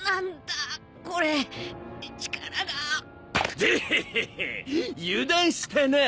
デヘヘヘ油断したな。